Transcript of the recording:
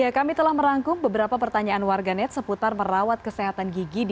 kami telah merangkum beberapa pertanyaan warganet seputar merawat kesehatan gigi di